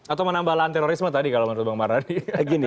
atau menambahkan terorisme tadi kalau menurut bang marnadi